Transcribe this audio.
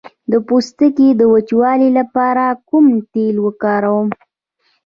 د پوستکي د وچوالي لپاره کوم تېل وکاروم؟